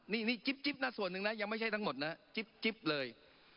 นี่จิ๊บนะส่วนหนึ่งนะยังไม่ใช่ทั้งหมดนะจิ๊บเลย